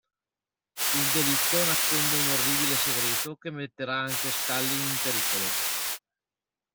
Il delitto nasconde un orribile segreto che metterà anche Scully in pericolo.